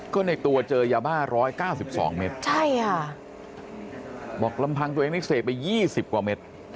ก็ในตัวเจอยาบ้า๑๙๒เมตรบอกลำพังตัวเองเสพไป๒๐กว่าเมตร